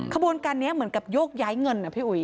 ขบวนการนี้เหมือนกับโยกย้ายเงินนะพี่อุ๋ย